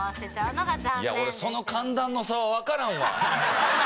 俺その寒暖の差はわからんわ。